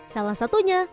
salah satunya jahe seduh